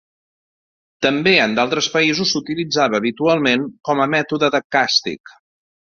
També en d'altres països s'utilitzava habitualment com a mètode de càstig.